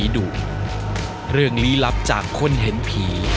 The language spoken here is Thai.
ขอบคุณค่ะพี่แจ๊ก